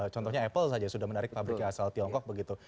contohnya apple saja sudah menarik pabriknya asal tiongkok begitu